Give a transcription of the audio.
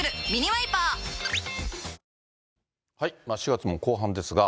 ４月も後半ですが。